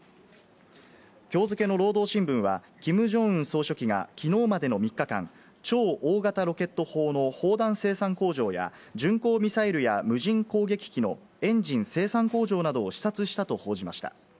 今日付けの労働新聞は、キム・ジョンウン総書記が、きのうまでの３日間、超大型ロケット砲の砲弾生産実態や、巡航ミサイルや無人攻撃機のエンジン生産工場などを視察したと報じました。